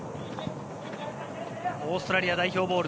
オーストラリア代表ボール。